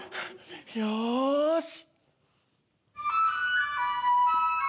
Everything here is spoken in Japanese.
よし。